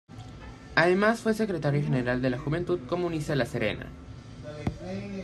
Además, fue Secretario General de la Juventud Comunista de La Serena.